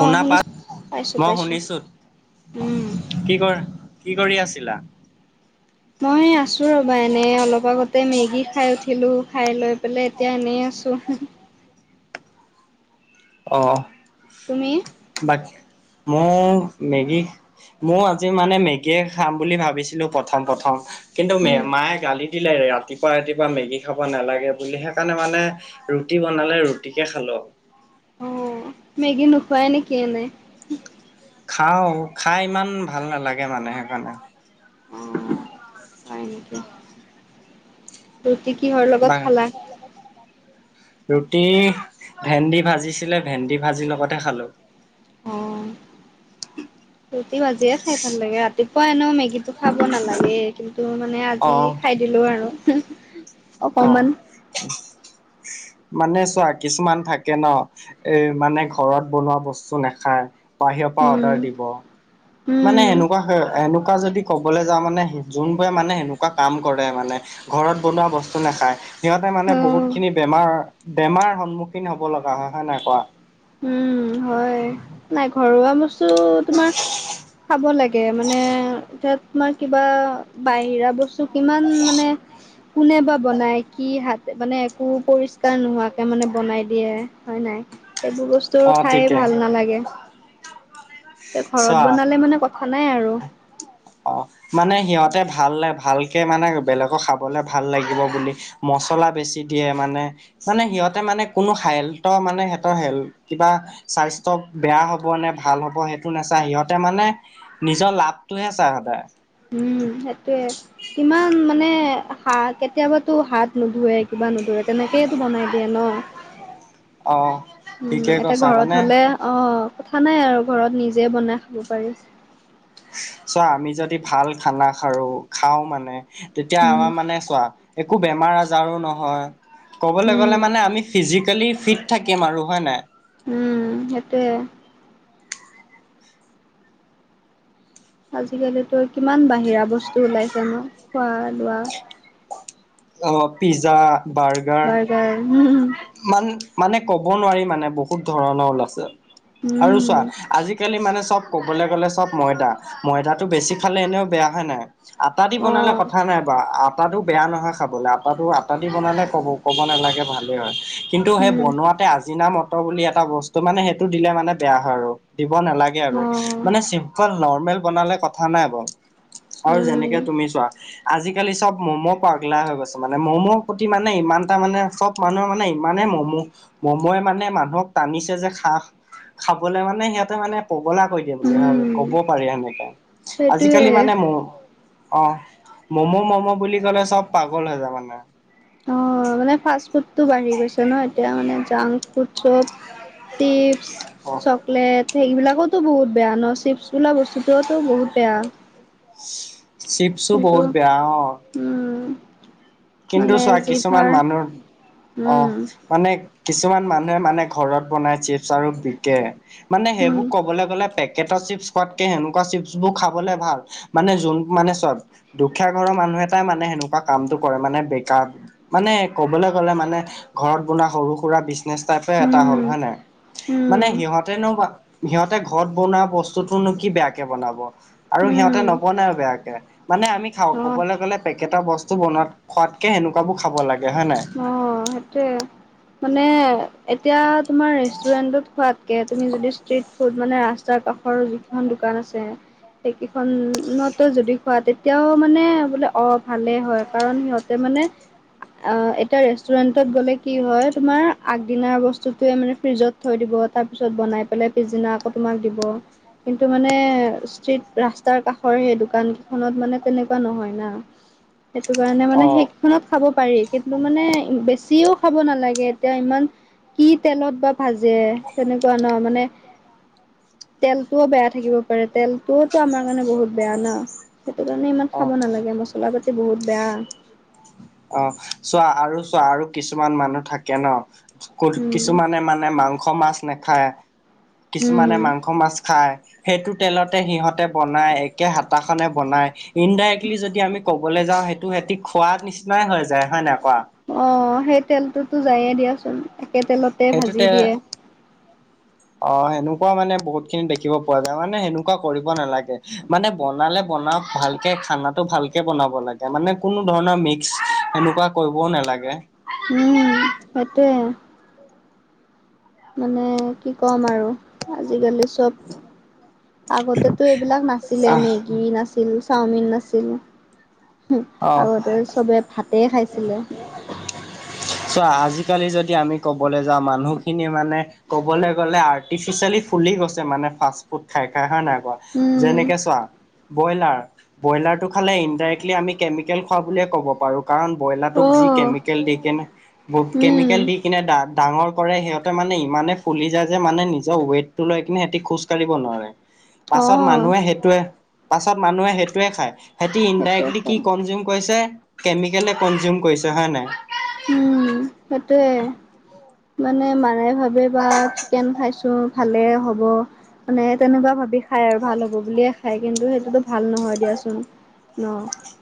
অ শুনিছো পাইছা? পাইছো মই পাইছো শুনিছোঁ। উম কি কৰ কি কৰি আছিলা? মই আছোঁ ৰ'বা এনেই অলপ আগতে মেগী খাই উঠিলোঁ খাই লৈ পেলাই এতিয়া এনেই আছোঁ। অঁ। তুমি? বাক, মোৰ মেগী ময় আজি মানে মেগীয়ে খাম বুলি ভাবিছিলো প্ৰথম প্ৰথম কিন্তু ম উম মায়ে গালি দিলে ৰাতিপুৱা ৰাতিপুৱা মেগি খাব নালাগে বুলি সেইকাৰণে মানে ৰুটি বনালে ৰুটিকে খালো। অ মেগী নোখোৱাই নেকি এনে? খাওঁ খাই ইমান ভাল নালাগে মানে সেইকাৰণে। উম, হয় নেকি ৰুটি কিহৰ বা লগত খালা? ৰুটি, ভেন্দি ভাজিছিলে ভেন্দি ভাজিৰ লগতহে খালোঁ। অ, ৰুটি ভাজিয়ে খাই ভাল, লাগে ৰাতিপুৱা এনে মেগ কিন্তু খাব নালাগে, কিন্তু মানে আজি খাই দিলো আৰু অ অ অকমান। [unintelligible] মানে চোৱা কিছুমান থাকে ন, এই মানে ঘৰত বনোৱা বস্তু নাখায়। বাহিৰৰ পৰা উম অৰ্ডাৰ দিব। মানে উম সেনেকুৱা-এনেকুৱা যদি ক'বলৈ যাওঁ মানে যোনবোৰে মানে সেনেকুৱা কাম কৰে মানে ঘৰত বনোৱা বস্তু নাখায়। সিহঁতে অ মানে বহুতখিনি বেমাৰ-বেমাৰ সন্মুখীন হ'ব লগা হয় নাই কোৱা। উম, হয়। নাই ঘৰুৱা বস্তু তোমাৰ খাব লাগে। তে, মানে তাত তোমাৰ কিবা বাহিৰা বস্তু কিমান মানে কোনে বা বনাই, কি হাত মানে একো পৰিষ্কাৰ নোহোৱাকে মানে বনাই দিয়ে, হয় নাই? এইবোৰ বস্তু অ খাই ঠিকে ভাল নালাগে। এই, ঘৰত চোৱা বনালে মানে কথা নাই আৰু। অ, মানে সিহঁতে ভাল- ভালকে মানে বেলেগক খাবলৈ ভাল লাগিব বুলি মচলা বেছি দিয়ে মানে মানে সিহঁতে মানে কোনো হেল্টথৰ মানে সিহঁতৰ হেল, কিবা স্বাস্থ্য বেয়া হ'ব নে ভাল হ'ব সেই নাচাই, সিহঁতে মানে নিজৰ লাভটোহে চাই সদায়। উম, সেইটোৱে। কিমান মানে হ- কেতিয়াবাতো হাত নোধুুৱে কিবা নুধু তেনেকেইটো বনাই দিয়ে ন, অ উম, ঠিকে এতিয়া কৈছা ঘৰত মানে হ'লে অ, কথা নাই আৰু ঘৰত নিজে বনাই খাব পাৰি। চোৱা আমি যদি ভাল খানা খাৰো, খাওঁ মানে তেতিয়া উম আমাৰ মানে চোৱা একো বেমাৰ- আজাৰো নহয়, ক'বলৈ উম গ'লে মানে আমি ফিজিকেলি ফিট থাকিম আৰু হয় নে নাই। উম, সেইটোয়ে। আজিকালিতো কিমান বাহিৰা বস্তু ওলাইছে ন খোৱা লোৱা। অ, পিজ্জা বাৰ্গ বাৰগাৰ উম, মান মানে ক'ব নোৱাৰি মানে বহুত ধৰণৰ ওলাইছে। আৰু উম চোৱা আজিকালি মানে চ'ব। ক'বলৈ গ'লে চ'ব ময়দা ময়দাটো বেছি খালে এনেও বেয়াহে নাই, আটা দি অ বনালে কথা নাই। বা আটাটো বেয়া নহয় খাবলৈ, আটাটো- আটা দি বনালে ক'ব-ক'ব নালাগে ভালে হয়। কিন্তু সেই উম বনোৱাতে আজিনা মটৰ বুলি এটা বস্তু, মানে সেইটো দিলে মানে বেয়া হয় আৰু। দিব নালাগে আৰু, অ মানে চিম্পল নৰ্মেল বনালে কথা নাই বাৰু। আৰু উম যেনেকে তুমি চোৱা আজিকালি চব ম'ম পাগলা হৈ গৈছে, মানে ম'ম' প্ৰতি মানে ইমান এটা মানে চ'ব মানুহে মানে ইমানে ম'ম, ম'ম য়ে মানে মানুহক টানিছে যে খাঁ খাবলে মানে সিহঁতে মানে পগলা কৈ দিয়ে বুলি, হয় উম ক'ব পাৰি সেনেকে সেইটোয়ে আজিকালি মানে ম, অ, ম'ম' ম'ম' বুলি ক'লে চব পাগল হৈ যাবা না অ মানে ফাষ্ট ফুড টো বাঢ়ি গৈছে ন এতিয়া মানে জাংক ফুড চব চিপছ অ' চকলেট সেইবিলাকতো বহুত বেয়া ন' চিপছ বোলা বস্তুটোওতো বহুত বেয়া চিপছছো কিন্তু বহুত বেয়া অ উম কিন্তু মানে চোৱা কিছুমান জিভাৰ মানুৰ অহ উম মানে কিছুমান মানুহে মানে ঘৰত বনাই চিপচ আৰু বিকে মানে উম সেইবোৰ ক'বলে গ'লে পেকেটৰ চিপছ খোৱাটকে সেনেকুৱা চিপছ বোৰ খাবলে ভাল মানে যোন মানে চোৱা দুখীয়া ঘৰৰ মানুহ এটাই মানে সেনোকোৱা কামটো কৰে মানে বেকাৰ মানে ক'বলে গলে মানে ঘৰত বনোৱা সৰু হুৰা বিচ নেচ তাইপে এটা হ'ল উম হয় নাই। মানে উম সিহঁতেনো বা সিহঁতে ঘৰত বনোৱা বস্তুতটোনো কি বেয়াকে বনাব। আৰু সিহঁতে উম নবনাইও বেয়াকে মানে আমি খাওঁ অ ক'বলে গলে পেকেটৰ বস্তু বনোৱাত খোৱাতকে সেনেকুৱাবো খাব লাগে হয় নাই। অ', সেইটোৱে মানে এতিয়া তোমাৰ ৰেষ্টুৰেণ্টত খোৱাতকে তুমি যদি ষ্ট্ৰিট ফুড মানে ৰাস্তা কাষৰ যিখন দোকান আছে সেইকীখনতো যদি খোৱা তেতিয়াও মানে বোলে অ ভালেই হয় কাৰণ সিহঁতে মানে অ', এটা ৰেষ্টুৰেণ্টত গ'লে কি হয় তোমাৰ আগদিনাৰ বস্তুটোৱে মানে ফ্ৰিজত থৈ দিব তাৰপিছত বনাই পেলাই পিছদিনা আকৌ তোমাক দিব। কিন্তু মানে ষ্ট্ৰীট ৰাস্তাৰ কাষৰ সেই দোকানকেইখনত মানে তেনেকুৱা নহয় না। সেইটো কাৰণে মানে অ'। সেইকিখনত খাব পাৰি। কিন্তু মানে বেছিও খাব নালাগে এতিয়া ইমান কি তেলত বা ভাজে তেনেকুৱা ন মানে তেলটোও বেয়া থাকিব পাৰে তেলতোও তো আমাৰ কাৰণে বহুত বেয়া ন সেইটো কাৰণে ইমান অ খাব নালাগে মছলা পাতি। বহুত বেয়া। অহ', চোৱা আৰু চোৱা আৰু কিছুমান মানুহ থাকে ন উম কিছুমানে মানে মাংস মাছ নেখায়। কিছুমানে মাংস উম মাছ খায়। সেইটো তেলতে সিহঁতে বনাই একে হাতাখনে বনাই ইনডাইৰেক্টলি যদি আমি ক বলে যাওঁ সেইটো হেতি খোৱা নিচিনাই হৈ যায় হয় নাই কৱা। অ', সেই তেলটোতো যায়ে দিয়াচোন। একে তেলতে ভাজি সেইটোতে দিয়ে অ', সেনোকুৱা মানে বহুত খিনি দেখিব পোৱা যায় মানে সেনেকুৱা কৰিব নালাগে মানে বনালে বনাওক ভাল কে খানাটো ভালকে বনাব লাগে মানে কোনো ধৰণৰ মিক্স সেনেকুৱা কৰিবও নালাগে। উম হেইটোৱে। মানে কি ক'ম আৰু আজিকালি চব আগতেতো এইবিলাক নাছিলে আহ মেগী নাছিল চাওমিন নাছিল। অ আগতে চবে ভাতে খাইছিলে। চোৱা আজিকালি যদি আমি কবলে যাওঁ মানুহখিনিয়ে মানে কবলৈ গলে আৰ্টিফিচিয়েলি ফুলি গৈছে মানে ফাষ্ট ফুড খাই খাই হয় নাই। উম, যেনেকে চোৱা ব্ৰইলাৰ ব্ৰইলাৰটো খালে ইনডাইৰেক্লি আমি কেমিকেল খোৱা বুলিয়ে কব পাৰো কাৰণ বইলাটোক যি অ', কেমিকেল দি কেনে [unintelligible] উম, কেমিকেল দি দি কিনে দা ডাঙৰ কৰে সিহঁতে মানে ইমানে ফুলি যায় যে মানে নিজৰ ৱেটতো লৈ কিনে সিহঁতি খোজকাঢ়িব নোৱাৰে। [unintelligible] পাছত মানুহে সেইটোৱে পাছত মানুহে সেইটোৱে খায় হেতি সেইটোৱে ইনডাইৰেক্টলি খাই। কমজিম কৰিছে কেমিকেল এ কমজিম কৰিছে হয় নাই। উম সেইটোৱে। মানে মানে ভাবে বা চিকেন খাইছো ভালে হ'ব। মানে তেনেকুৱা ভাবি খাই আৰু ভাল হ'ব বুলিয়ে খাই কিন্তু সেইটোতো ভাল নহয় দিয়াচোন। ন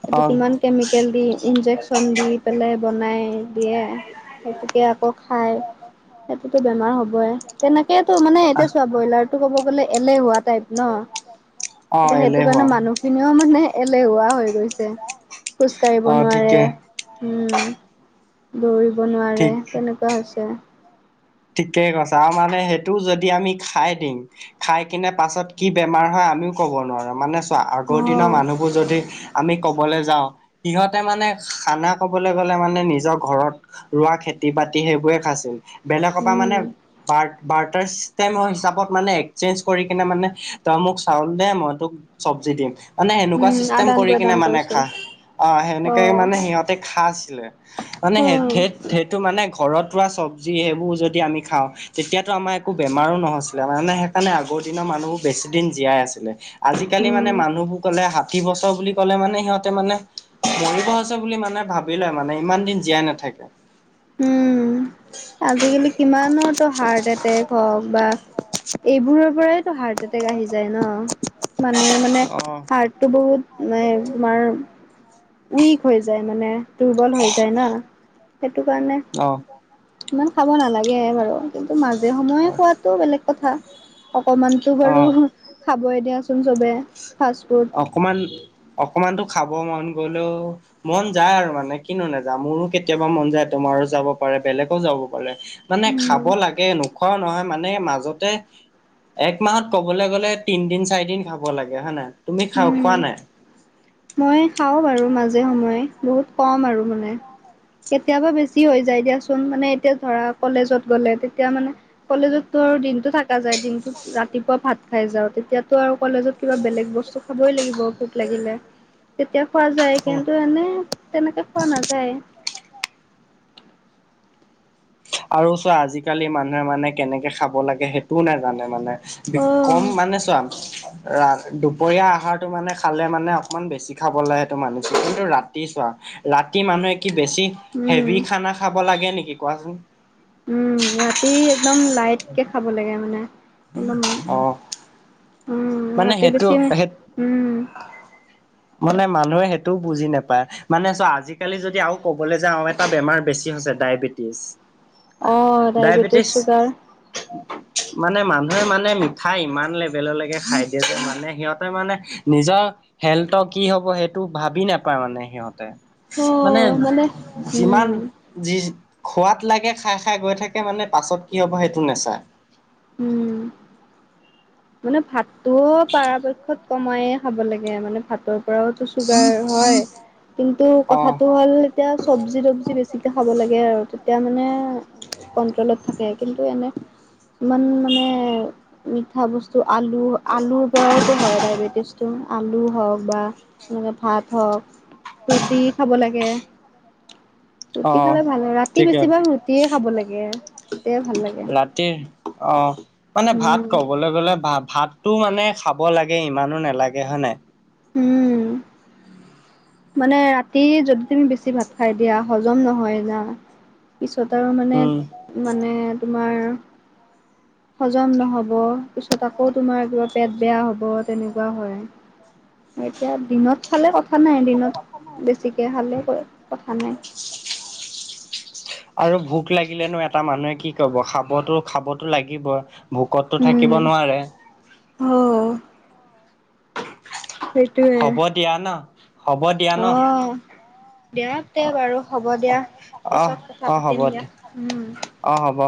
এইটো অ কিমান কেমিকেল দি ইনজেকচন দি পেলাই বনাই দিয়ে সেইটোকে আকৌ খাই সেতোতো বেমাৰ হ'বই। তেনেকেইটো মানে এতিয়া চোৱা ব্ৰইলাৰটো কব গলে এলেহুৱা টাইপ ন'। অ এতিয়া সেইটো কাৰণে এলেহুৱা মানুহখিনিও মানে এলেহুৱা হৈ গৈছে। খোজ কঢ়িব অ নোৱাৰে, ঠিকে উম দৌৰিব নোৱাৰে ঠিক তেনে- কা হৈছে। ঠিকেই কৈছা আৰু মানে সেইটো যদি আমি খাই দিম খাই কিনে পাছত কি বেমাৰ হয় আমিও ক'ব নোৱাৰো মানে চোৱা আগৰ দিনৰ অ', মানুহ কো যদি আমি ক'বলে যাওঁ সিহঁতে মানে খানা কবলৈ গ'লে মানে নিজৰ ঘৰত ৰোৱা খেতি -বাতি সেইবোৰে খাইছিল বেলেক পা মানে উম, পাৰ্ট পাৰ্টচ তে মই হিচাপত মানে এক্সচেঞ্জ কৰি কিনে মানে তই মোক চাউল দে মই তোক চবজি দিম মানে সেনেকুৱা উম, চিষ্টেম আদান কৰি কিনে প্ৰদান মানে কৰিছিল খা অ সেনেকেই অ', মানে সিহঁতে খা আছিলে মানে সেত উম, সেত সেইটো মানে ঘৰত ৰোৱা চবজি সেইবোৰ যদি আমি খাওঁ তেতিয়াতো আমাৰ একো বেমাৰো নহৈছিলে মানে সেইকাৰণে আগৰ দিনৰ মানুহবোৰ বেছি দিন জীয়াই আছিলে। আজি-কালি মানে উম, মানুহবোৰ ক'লে ষাঠি বছৰ বুলি কলে মানে সিহঁতে মানে মৰিব হৈছে বুলি মানে ভাবি লয় মানে ইমান দিন জীয়াই নাথাকে। উম আজিকালি কিমানৰ তো হাৰ্ট এটেক হওক বা এইবোৰৰ পৰাইতো হাৰ্ট এটে টেক আহি যায় ন মানুহে মানে অ', হাৰ্টটো বহুত মানে তোমাৰ উইক হৈ যায় মানে দুৰ্বল হৈ যায় না সেইটো কাৰণে অ ইমান খাব নালাগে বাৰু কিন্তু মাজে সময়ে খোৱাটো বেলেগ কথা। অকণমানতো বাৰু অ', খাবই দিয়াচোন চবে ফাষ্ট-ফুড অকণমান অকণমানটো খাব মন গ'লেও মন যায় আৰু মানে কিনো নাযা মোৰো কেতিয়াবা মন যায় তোমাৰো যাব পাৰে বেলেগও যাব গলে মানে খাব লাগে নোখোৱাও নহয় মানে মাজতে এক মাহত কবলে গ'লে তিন দিন, চাৰি দিন খাব লাগে হয় নহয় তুমি খা উম, খোৱা নাই? মই খাওঁ বাৰু মাজে সময়ে বহুত কম আৰু মানে কেতিয়াবা বেছি হৈ যায় দিয়াচোন মানে এতিয়া ধৰা কলেজত গ'লে তেতিয়া মানে কলেজততো আৰু দিনটো থকা যায় দিনটোত ৰাতিপুৱা ভাত খাই যাওঁ তেতিয়া- তো আৰু কলেজত কিবা বেলেগ বস্তু খাবই লাগিব ভুক লাগিলে। তেতিয়া খোৱা যায় কিন্তু এনে তেনেকে খোৱা নাযায়। আৰু চোৱা আজিকালি মানুহে মানে কেনেকে খাব লাগে সেইটোও নাজানে মানে। বি কম অ', মানে চোৱা ৰা দুপৰীয়া আহাৰটো মানে খালে মানে অকণমান বেছি খাবলৈ সেইটো মানিছোঁ, কিন্তু ৰাতি চোৱা - ৰাতি মানুহে কি বেছি উম। হেভি খানা খাব লাগে নেকি কোৱাচোন - উম, ৰাতি একদম লাইট কে খাব লাগে মানে - একদম, অ উম মানে ৰাতি সেইটো বেছি, সেই উম - মানে মানুহে সেইটোও বুজি নাপায় মানে চোৱা আজিকালি যদি আও কবলৈ যাওঁ - এটা বেমাৰ বেছি হৈছে ডায়বেটিছ - [unintelligible] ডায়বেটিছ - মানে মানুহে মানে মিঠাই ইমান লেভেললেকে - খাই দিয়ে যে মানে সিহঁতে মানে নিজৰ - হেল্থৰ কি হব সেইটো ভাবি নাপায় মানে সিহঁতে - মানে উম, যিমান - যি খোৱাত লাগে খাই খাই গৈ থাকে মানে পাছত কি হ'ব সেইটো নাচাই - উম, মানে ভাতটো পৰাপক্ষত কমায়েখাব লাগে মানে ভাতৰ পৰাও - চুগাৰ হয় কিন্তু অ', কথাটো হ'ল - তেতিয়া চব্জি তবজি বেছিকে খাব লাগে আৰু তেতিয়া মানে - কন্ট্ৰলত থাকে কিন্তু এনে ইমান মানে - মাঠা বস্তু, আলু আলুৰ পৰাওতো হয় ডায়বেটিছটো - আলু হওক, বা এনেকে ভাত হওক, ৰুটি খাব লাগে। ৰুটি অ', খালে ভাল, ৰাতি ঠিকে বেছিভাগ ৰুটিয়ে খাব লাগে তেতিয়াই ভাল লাগে। তে, অ মানে ভাত উম কবলৈ গ'লে ভা ভাত - টো মানে খাব লাগে ইমানো নালাগে হয় নাই। উম, মানে ৰাতি যদি তুমি বেছি ভাত খাই দিয়া হজম নহয় না। পিছত আৰু মানে, উম মানে তোমাৰ - হজম নহ'ব, পিছত আকৌ তোমাৰ কিবা পেট বেয়া হ'ব, তেনেকুৱা হয়। এতিয়া দিনত খালে কথা নাই, দিনত বেছিকৈ খালে কথা নাই। আৰু ভোক লাগিলেনো এটা মানুহে কি কব খাবতো খাবতো লাগিবই। ভোকততো থাকিব নোৱাৰে। হৌ। সেইটোৱে, হ'ব দিয়া ন হ'ব দিয়া ন অ'। দিয়াত তে বাৰু হ'ব দিয়া, পিছত কথা পাতিম দিয়া। উম অঁ', হ'ব।